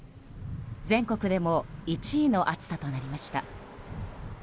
全国でも１位の暑さとなりました。